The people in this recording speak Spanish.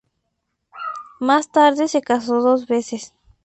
Más tarde se casó dos veces.